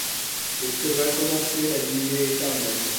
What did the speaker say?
Et que va commencer la nuée éternelle.